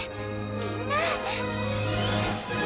みんな！